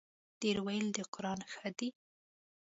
ډېر ویل د قران ښه دی.